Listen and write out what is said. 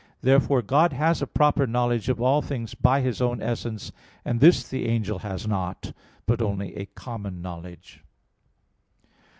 Therefore God has a proper knowledge of all things by His own essence: and this the angel has not, but only a common knowledge.